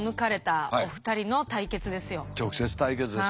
直接対決です。